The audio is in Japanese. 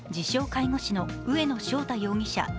・介護士の上野翔太容疑者